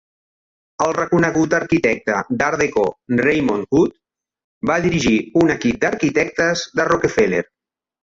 El reconegut arquitecte d'Art Deco Raymond Hood va dirigir un equip d'arquitectes de Rockefeller.